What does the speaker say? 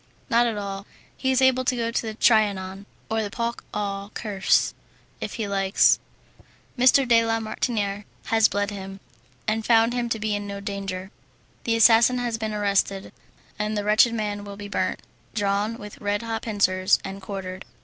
"Not at all; he is able to go to the Trianon, or the Parc aux cerfs, if he likes. M. de la Martiniere has bled him, and found him to be in no danger. The assassin has been arrested, and the wretched man will be burnt, drawn with red hot pincers, and quartered."